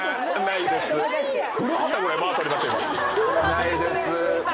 「ないです」